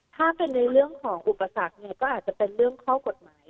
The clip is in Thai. ถ้าเป็นในเรื่องของอุปสรรคเนี่ยก็อาจจะเป็นเรื่องข้อกฎหมาย